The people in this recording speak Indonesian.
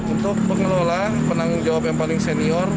untuk pengelola penanggung jawab yang paling senior